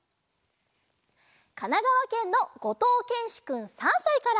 かながわけんのごとうけんしくん３さいから。